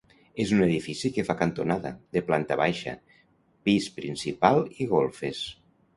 És un edifici que fa cantonada, de planta baixa, pis principal i golfes.